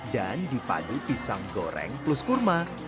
dan dipadu pisang goreng plus kurma